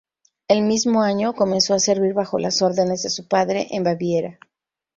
Ese mismo año comenzó a servir bajo las órdenes de su padre en Baviera.